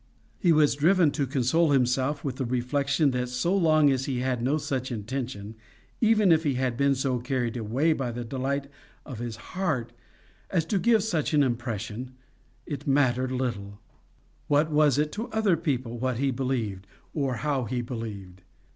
He was driven to console himself with the reflection that so long as he had had no such intention, even if he had been so carried away by the delight of his heart as to give such an impression, it mattered little: what was it to other people what he believed or how he believed?